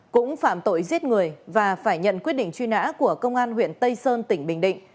cũng phạm tội giết người và phải nhận quyết định truy nã của công an huyện tây sơn tỉnh bình định